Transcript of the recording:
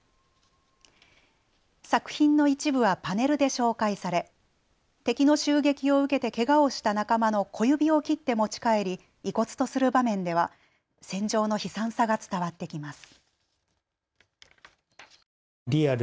作品の一部はパネルで紹介され敵の襲撃を受けてけがをした仲間の小指を切って持ち帰り遺骨とする場面では戦場の悲惨さが伝わってきます。